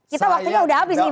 kita waktunya sudah habis nih pak